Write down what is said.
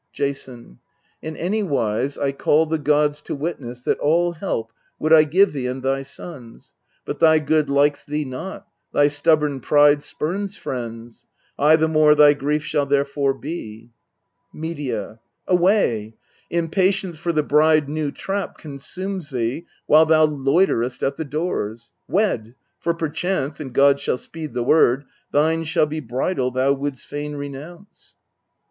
Jason. In any wise I call the gods to witness That all help would I give thee and thy sons ; But thy good likes thee not: thy stubborn pride Spurns friends : I the more thy grief shall therefore be. Medea. Away ! impatience for the bride new trapped Consumes thee while thou loiterest at the doors ! Wed : for perchance and God shall speed the word Thine shall be bridal thou wouldst fain renounce.